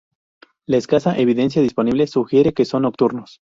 La escasa evidencia disponible sugiere que son nocturnos.